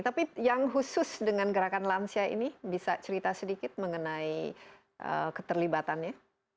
tapi yang khusus dengan gerakan lansia ini bisa cerita sedikit mengenai keterlibatannya